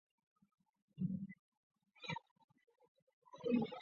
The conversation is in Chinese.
中国人民大学文学院教授潘天强对该片持负面态度。